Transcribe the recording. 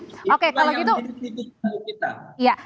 betul itu yang menjadi tipis bagi kita